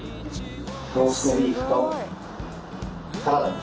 ローストビーフとサラダですね。